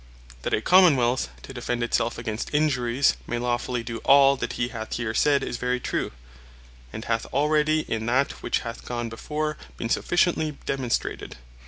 That a Common wealth, to defend it selfe against injuries, may lawfully doe all that he hath here said, is very true; and hath already in that which hath gone before been sufficiently demonstrated.